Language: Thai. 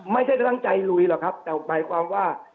ไม่ได้ตั้งใจลุยหรอกครับแต่หมายความว่า